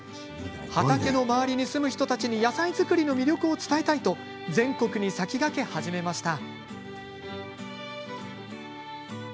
畑の周りに住む人たちに野菜作りの魅力を伝えたいと全国に先駆け、始めました。